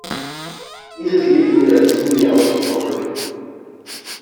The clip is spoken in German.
Dieses Lied wurde als Single ausgekoppelt.